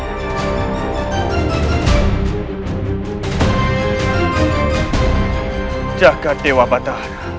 masa belum terada